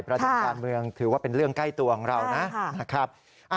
ประเด็นการเมืองถือว่าเป็นเรื่องใกล้ตัวของเรานะครับ